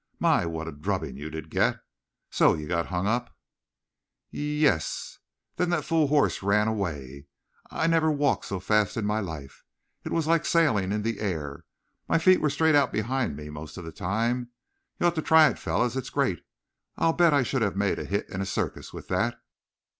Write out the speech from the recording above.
"My, what a drubbing you did get! So you got hung up?" "Ye yes. Then the fool horse ran away. I I never walked so fast in my life. It it was like sailing in the air. My feet were straight out behind me most of the time. You ought to try it, fellows. It's great. I'll bet I should have made a hit in a circus with that."